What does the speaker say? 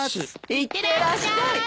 いってらっしゃい。